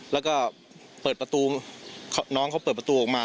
แล้วก็เปิดประตูน้องเขาเปิดประตูออกมา